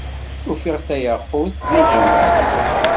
Ufiɣ tayaqut, deg lǧameɛ Lekbir.